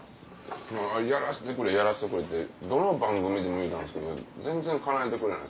やらしてくれやらしてくれってどの番組でも言うたんですけど全然かなえてくれない。